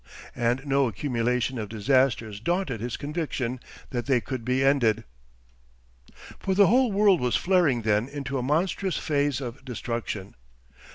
And no accumulation of disasters daunted his conviction that they could be ended. For the whole world was flaring then into a monstrous phase of destruction.